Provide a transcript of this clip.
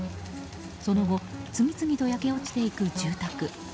その後次々と焼け落ちていく住宅。